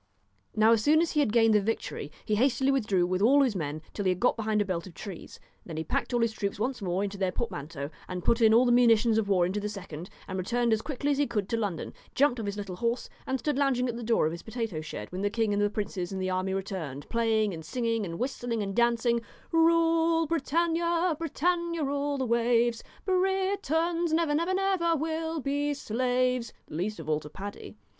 Now as soon as he had gained the victory he hastily withdrew with all his men till he had got behind a belt of trees, and then he packed all his troops once more into their portmanteau, and put in all the munitions of war into the second, and returned as quickly as he could to London, jumped off his little horse, and stood lounging at the door K 145 DON'T of his potato shed, when the king and the KNOW princes and the army returned, playing and singing and whistling and dancing ' Rule Bri tannia, Britannia rule the waves, Brit tons never, never, never, will be slaves,' least of all to Paddy.